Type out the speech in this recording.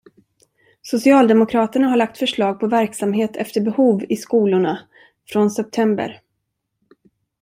Socialdemokraterna har lagt förslag på verksamhet efter behov i skolorna från september.